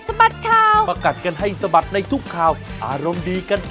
สวัสดีค่ะ